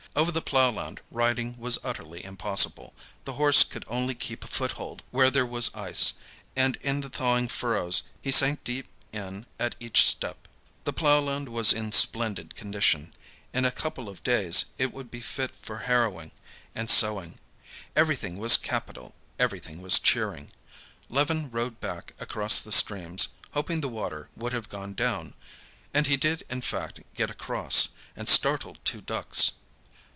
Over the ploughland riding was utterly impossible; the horse could only keep a foothold where there was ice, and in the thawing furrows he sank deep in at each step. The ploughland was in splendid condition; in a couple of days it would be fit for harrowing and sowing. Everything was capital, everything was cheering. Levin rode back across the streams, hoping the water would have gone down. And he did in fact get across, and startled two ducks.